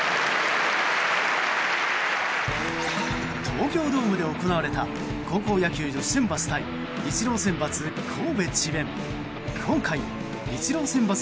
東京ドームで行われた高校野球女子選抜対イチロー選抜ＫＯＢＥＣＨＩＢＥＮ。